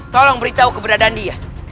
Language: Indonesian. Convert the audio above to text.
tolong beritahu keberadaan dia